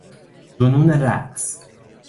جنون رقص